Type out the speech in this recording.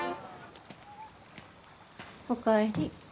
お帰り。